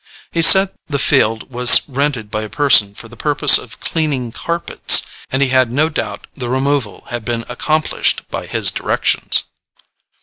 He said the field was rented by a person for the purpose of cleaning carpets, and that he had no doubt the removal had been accomplished by his directions.